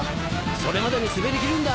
それまでに滑り切るんだ。